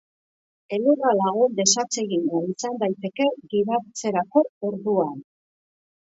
Elurra lagun desatsegina izan daiteke gidatzerako orduan.